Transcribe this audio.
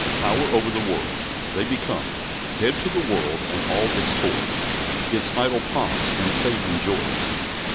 Power over the world. They become "Dead to the world and all its toys, Its idle pomps and fading joys."